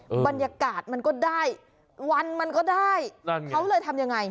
บรรยากาศมันก็ได้วันมันก็ได้นั่นเขาเลยทำยังไง